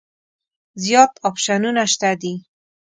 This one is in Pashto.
زیات اپشنونه شته دي.